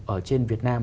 ở trên việt nam